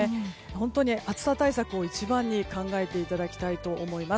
本当に暑さ対策を一番に考えていただきたいと思います。